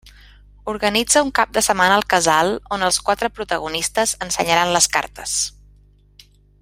Organitza un cap de setmana al casal on els quatre protagonistes ensenyaran les cartes.